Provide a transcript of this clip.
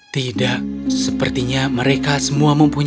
tidak sepertinya mereka semua mempunyai